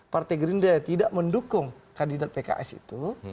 partai gerindra tidak mendukung kandidat pks itu